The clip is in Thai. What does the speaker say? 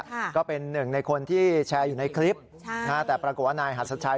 ก็เป็นหนึ่งในคนที่แชร์อยู่ในคลิปใช่นะฮะแต่ปรากฏว่านายหัสชัย